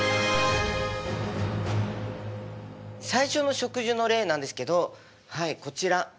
最初の植樹の例なんですけどはいこちら。